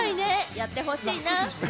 やってほしいな。